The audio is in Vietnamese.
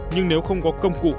nhưng nếu không có công cụ